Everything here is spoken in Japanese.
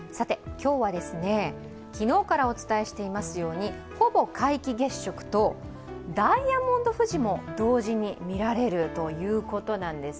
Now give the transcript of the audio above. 今日は昨日からお伝えしていますようにほぼ皆既月食とダイヤモンド富士も同時に見られるということなんです。